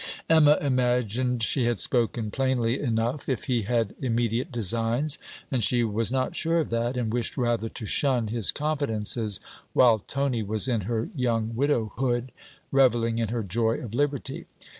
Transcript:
Emma imagined she had spoken plainly enough, if he had immediate designs; and she was not sure of that, and wished rather to shun his confidences while Tony was in her young widowhood, revelling in her joy of liberty.